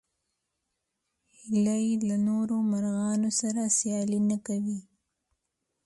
هیلۍ له نورو مرغانو سره سیالي نه کوي